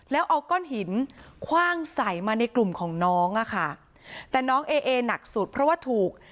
แล้วเอาก้อนหินคว่างใส่มาในกลุ่มของน้องอะค่ะแต่น้องเอหนักสุดเพราะว่าถูก